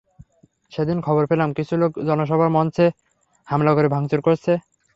সেদিন খবর পেলাম কিছু লোক জনসভার মঞ্চে হামলা করে ভাঙচুর করেছে।